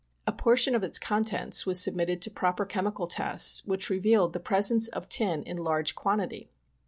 A portion of its contents was submitted to proper chemical tests, which revealed the presence of tin in large quantity.